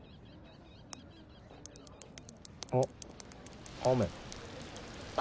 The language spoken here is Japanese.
あっ雨。